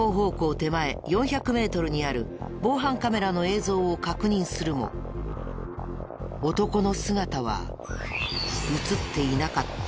手前４００メートルにある防犯カメラの映像を確認するも男の姿は映っていなかった。